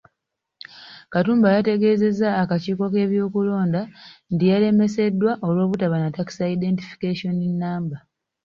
Katumba yategeezezza akakiiko k'ebyokulonda nti yalemeseddwa olw'obutaba na Tax Identification Namba.